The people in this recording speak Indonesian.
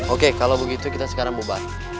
oke kalo begitu kita sekarang bobat